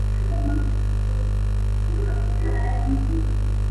din na pendo mnafikiri guinea inaweza ikatoa sura gani nurdin